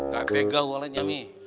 gak tega walanya mi